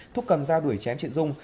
thúc cầm dao đuổi chém chị dung